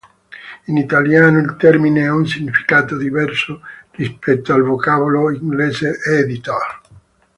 In italiano il termine ha un significato diverso rispetto al vocabolo inglese "editor".